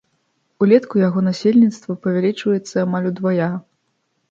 Улетку яго насельніцтва павялічваецца амаль удвая.